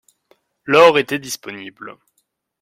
L'or était disponible.